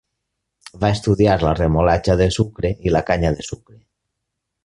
Va estudiar la remolatxa de sucre i la canya de sucre.